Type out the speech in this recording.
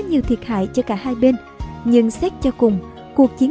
nguồn gốc của cuộc chiến